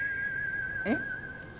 えっ？